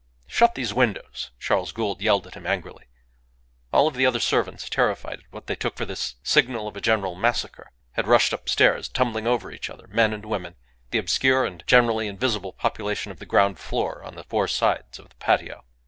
"Shut these windows!" Charles Gould yelled at him, angrily. All the other servants, terrified at what they took for the signal of a general massacre, had rushed upstairs, tumbling over each other, men and women, the obscure and generally invisible population of the ground floor on the four sides of the patio.